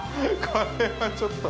これはちょっと。